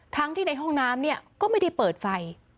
ทั้งที่ในห้องน้ำเนี่ยก็ไม่ได้เปิดไฟ